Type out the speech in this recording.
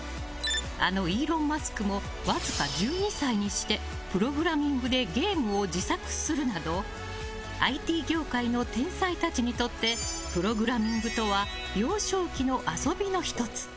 あのイーロン・マスクもわずか１２歳にしてプログラミングでゲームを自作するなどＩＴ業界の天才たちにとってプログラミングとは幼少期の遊びの１つ。